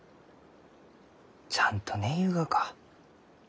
ちゃんと寝ゆうがか？